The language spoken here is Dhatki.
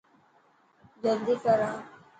جلدي ڪر آ.